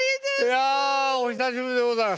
いやお久しぶりでございます。